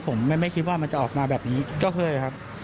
ผมไม่คิดว่ามันจะออกมาแบบนี้ก็เคยครับ